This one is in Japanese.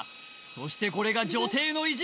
そしてこれが女帝の意地